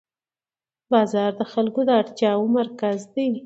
بازار د خلکو د اړتیاوو مرکز دی